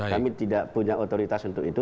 kami tidak punya otoritas untuk itu